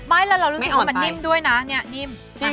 ไม่แล้วเรารู้สึกว่ามันนิ่มด้วยนะเนี่ยนิ่ม